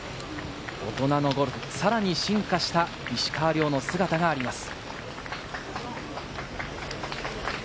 大人のゴルフ、さらに進化した石川遼の姿があります。